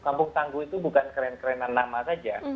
kampung tangguh itu bukan keren kerenan nama saja